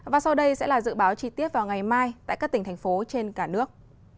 và sau đây sẽ là dự báo chi tiết vào ngày mai tại các tỉnh thành phố trên cả nước